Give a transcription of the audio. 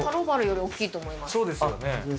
そうですよね。